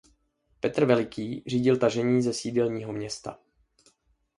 Petr Veliký řídil tažení ze sídelního města.